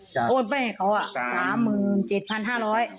ตัวโอนไปให้เขาอ่ะ๓๗๕๐๐